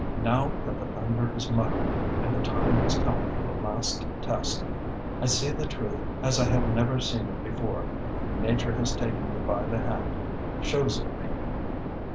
Now that the thunder is muttering and the time is coming for the last test, I see the truth as I have never seen it before. Nature has taken me by the hand shows it me.